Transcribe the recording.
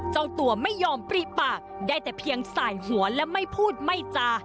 เจ้าตัวไม่ยอมปรีปากได้แต่เพียงสายหัวและไม่พูดไม่จา